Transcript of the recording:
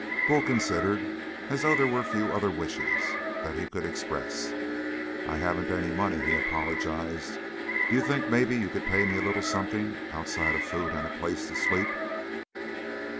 Bull considered, as though there were few other wishes that he could express. "I haven't any money," he apologized. "D'you think maybe you could pay me a little something outside of food and a place to sleep?"